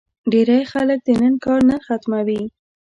ډېری خلک د نن کار نن ختموي.